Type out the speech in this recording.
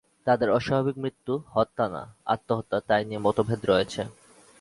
তাঁদের অস্বাভাবিক মৃত্যু হত্যা না আত্মহত্যা তাই নিয়ে মতভেদ রয়েছে।